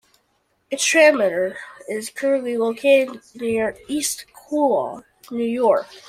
Its transmitter is currently located near East Quogue, New York.